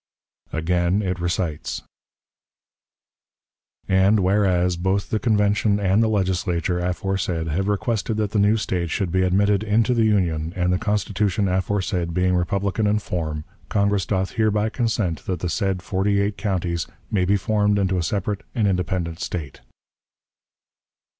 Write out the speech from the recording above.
Again it recites: "And whereas both the Convention and the Legislature aforesaid have requested that the new State should be admitted into the Union, and the Constitution aforesaid being republican in form, Congress doth hereby consent that the said forty eight counties may be formed into a separate and independent State."